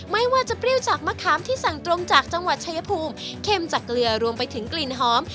ไม่ว่าจะเปรี้ยวจากมะขามที่สั่งตรงจากจังหวัดชายภูมิเข้มจากเกลือรวมไปถึงกลิ่นหอม